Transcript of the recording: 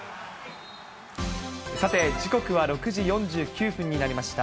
さて、時刻は６時４９分になりました。